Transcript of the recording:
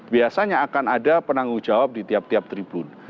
biasanya akan ada penanggung jawab di tiap tiap tribun